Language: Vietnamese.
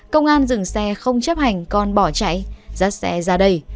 công an dừng xe không chấp hành còn bỏ chạy dắt xe ra đây